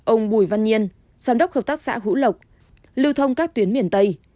ông bùi văn nhiên giám đốc hợp tác xã hữu lộc lưu thông các tuyến miền tây